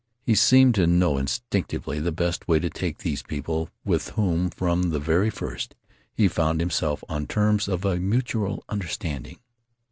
He seemed to know instinctively the best way to take these people, with whom, from the very first, he found himself on terms of a mutual understanding.